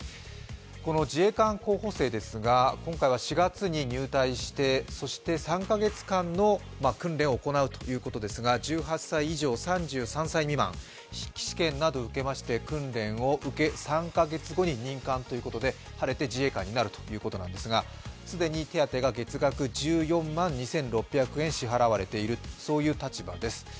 この自衛官候補生ですが、今回は４月に入隊して３か月間の訓練を行うということですが、１８歳以上３３歳未満、筆記試験など受けまして訓練を受け、３か月後に任官ということで、晴れて自衛官になるということですが、既に手当が月額１４万２６００円支払われているという立場です。